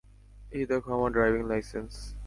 এই দেখো আমার ড্রাইভিং লাইসেন্স।